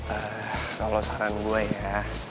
kalau saran gue ya